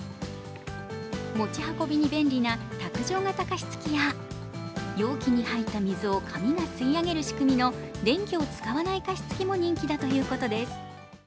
持ち運びに便利な卓上型加湿器や容器に入った水を紙が吸い上げる仕組みの電気を使わない加湿器も人気だということです。